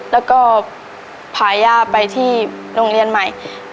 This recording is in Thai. แล้วก็พาย่าไปที่โรงเรียนใหม่